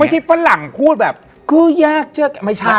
ไม่ใช่ฝรั่งพูดแบบกูอยากเจอแก้ว